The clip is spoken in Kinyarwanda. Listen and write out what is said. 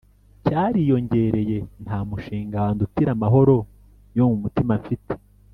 cyariyongereye Nta mushinga wandutira amahoro yo mu mutima mfite